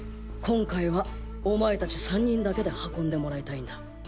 今回はお前たち３人だけで運んでもらいたいんだ。